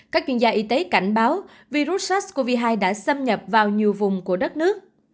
các chuyên gia y tế cảnh báo virus sars cov hai đã xâm nhập vào nhiều vùng của đất nước